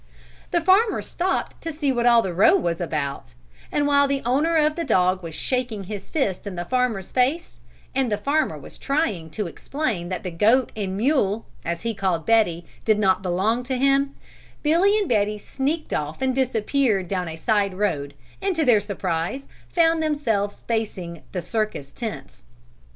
The farmer stopped to see what all the row was about, and while the owner of the dog was shaking his fist in the farmer's face, and the farmer was trying to explain that the goat and mule, as he called Betty, did not belong to him, Billy and Betty sneaked off and disappeared down a side road and to their surprise found themselves facing the circus tents.